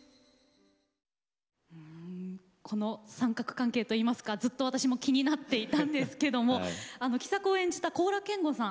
うんこの三角関係といいますかずっと私も気になっていたんですけども喜作を演じた高良健吾さん